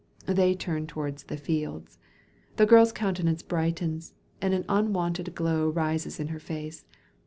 They turn towards the fields. The girl's countenance brightens, and an unwonted glow rises in her face.